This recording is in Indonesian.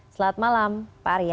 selamat malam pak arya